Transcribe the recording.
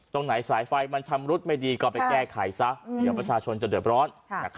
ตรงไหนสายไฟมันชำรุดไม่ดีก็ไปแก้ไขซะเดี๋ยวประชาชนจะเดือดร้อน